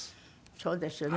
そうですよね。